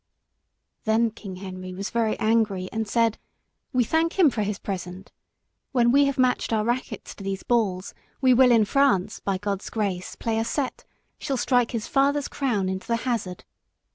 Then King Henry was very angry, and said "We thank him for his present. When we have matched our rackets to these balls, We will in France, by God's grace, play a set Shall strike his father's crown into the hazard.